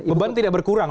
beban tidak berkurang